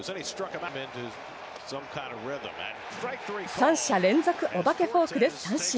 三者連続おばけフォークで三振。